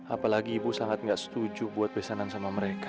apalagi ibu sangat gak setuju buat pesanan sama mereka